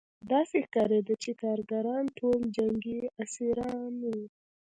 داسې ښکارېده چې کارګران ټول جنګي اسیران وو